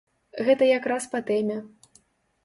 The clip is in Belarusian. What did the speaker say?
Гэта якраз па тэме.